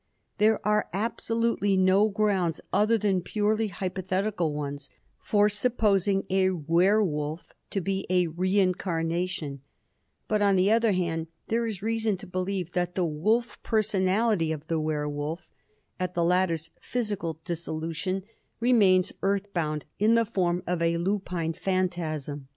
There are absolutely no grounds, other than purely hypothetical ones, for supposing a werwolf to be a reincarnation; but on the other hand there is reason to believe that the wolf personality of the werwolf, at the latter's physical dissolution, remains earthbound in the form of a lupine phantasm.